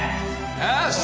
よし！